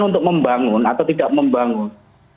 untuk membangun atau tidak membangun